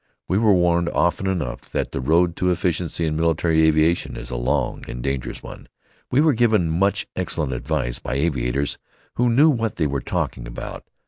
We were warned often enough that the road to efficiency in military aviation is a long and dangerous one. We were given much excellent advice by aviators who knew what they were talking about.